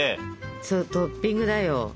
そうトッピングだよ。